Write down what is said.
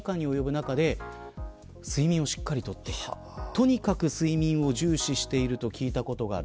とにかく睡眠を重視していると聞いたことがある。